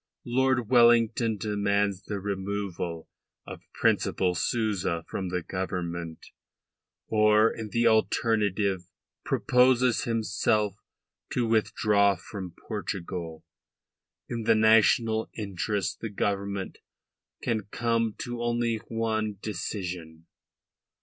Lord Wellington demands the removal of Principal Souza from the Government, or, in the alternative, proposes himself to withdraw from Portugal. In the national interest the Government can come to only one decision.